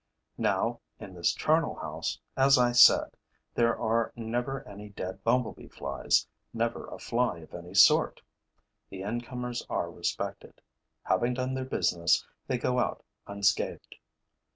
Now in this charnel house, as I said, there are never any dead bumblebee flies, never a fly of any sort. The incomers are respected. Having done their business, they go out unscathed.